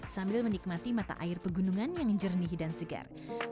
sambil menikmati mata air pegunungan yang jernih dan segar